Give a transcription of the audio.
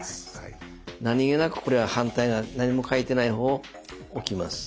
何気なくこれは反対側何も書いてない方を置きます。